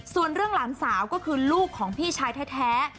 ส่วนเรื่องหลานสาวก็คือลูกของพี่ชายแท้